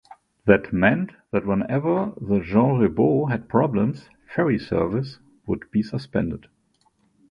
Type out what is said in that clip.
That meant that whenever the "Jean Ribault" had problems, ferry service would be suspended.